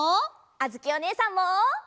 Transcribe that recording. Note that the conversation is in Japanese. あづきおねえさんも。